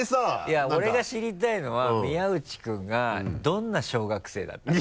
いや俺が知りたいのは宮内君がどんな小学生だったか。